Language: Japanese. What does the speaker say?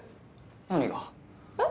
何が？えっ？